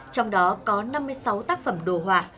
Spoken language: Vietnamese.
trong đó có năm mươi sáu tác phẩm đồ họa